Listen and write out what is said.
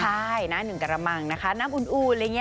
ใช่นะหนึ่งกระลำมังนะคะน้ำอุ่นอุ่นอะไรอย่างเงี้ย